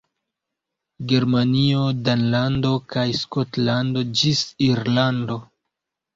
Germanio, Danlando kaj Skotlando, ĝis Irlando.